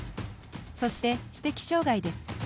そして、知的障がいです。